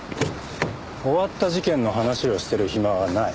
終わった事件の話をしてる暇はない。